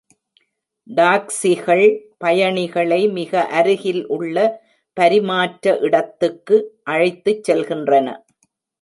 டாக்ஸிகள் பயணிகளை மிக அருகில் உள்ள பரிமாற்ற இடத்துக்கு அழைத்துச்செல்கின்றன.